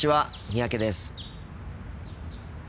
三宅です。